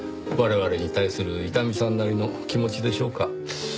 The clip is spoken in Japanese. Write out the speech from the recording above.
我々に対する伊丹さんなりの気持ちでしょうか。